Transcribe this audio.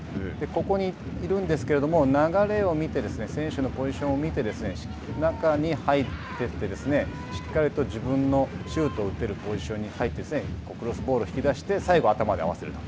ここにいるんですけれども、流れを見て、選手のポジションを見て、中に入ってって、しっかりと自分のシュートを打てるポジションに入って、クロスボールを引き出して、最後、頭で合わせると。